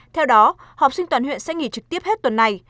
theo đó học sinh toàn huyện sẽ nghỉ trực tiếp hết tuần này